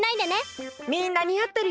みんなにあってるよ。